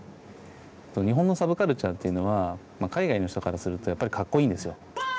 日本のサブカルチャーというのは海外の人からするとやっぱりかっこいいんですよ。